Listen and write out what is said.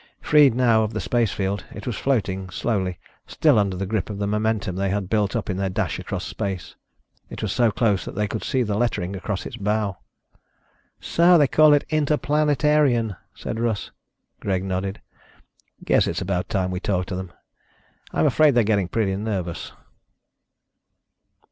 Freed now of the space field, it was floating slowly, still under the grip of the momentum they had built up in their dash across space. It was so close that they could see the lettering across its bow. "So they call it the Interplanetarian," said Russ. Greg nodded. "Guess it's about time we talk to them. I'm afraid they're getting pretty nervous."